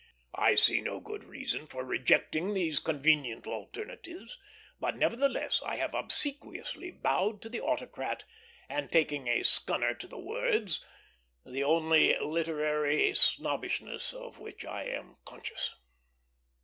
I see no good reason for rejecting these convenient alternatives; but nevertheless I have obsequiously bowed to the autocrat and taken a skunner to the words the only literary snobbishness of which I am conscious.